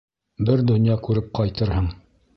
Бер донъя күреп ҡайтырһың.